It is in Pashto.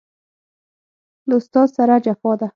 له استاد سره جفا ده